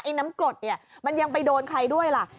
น้ำกรดเนี่ยมันยังไปโดนใครด้วยล่ะ